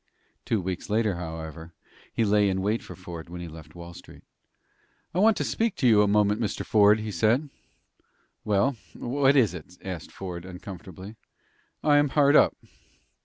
Two weeks later, however, he lay in wait for Ford when he left Wall Street. "I want to speak to you a moment, Mr. Ford," he said. "Well, what is it?" asked Ford, uncomfortably. "I am hard up."